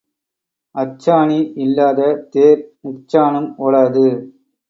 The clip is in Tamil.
அச்சாணி இல்லாத தேர் முச்சாணும் ஓடாது.